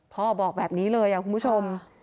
บอกแบบนี้เลยคุณผู้ชม